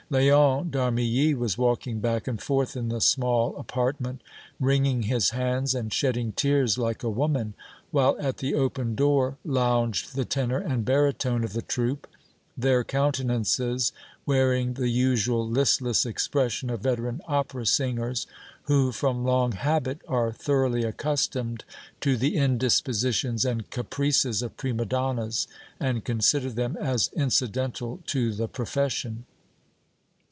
Léon d' Armilly was walking back and forth in the small apartment, wringing his hands and shedding tears like a woman, while at the open door lounged the tenor and baritone of the troupe, their countenances wearing the usual listless expression of veteran opera singers who, from long habit, are thoroughly accustomed to the indispositions and caprices of prima donnas and consider them as incidental to the profession.